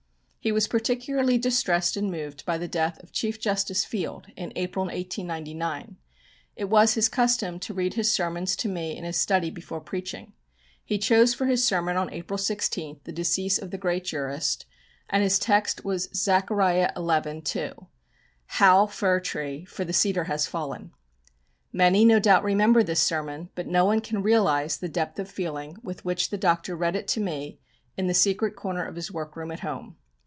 He was particularly distressed and moved by the death of Chief Justice Field, in April, 1899. It was his custom to read his sermons to me in his study before preaching. He chose for his sermon on April 16, the decease of the great jurist, and his text was Zachariah xi, 2: "Howl fir tree, for the cedar has fallen." Many no doubt remember this sermon, but no one can realise the depths of feeling with which the Doctor read it to me in the secret corner of his workroom at home.